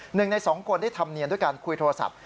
หนึ่งในสองคนได้ทำเนียนด้วยการคุยโทรศัพท์